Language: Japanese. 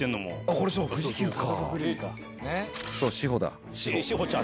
これ富士急か。